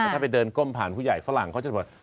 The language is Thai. ถ้าไปเดินก้มผ่านผู้ใหญ่ฝรั่งเขาจะแบบ